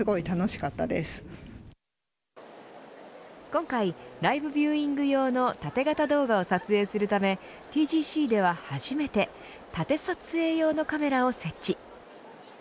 今回、ライブビューイング用の縦型動画を撮影するためＴＧＣでは初めて縦撮影用のカメラを設置。